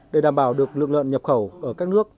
để đảm bảo được lượng lợn nhập khẩu ở các nước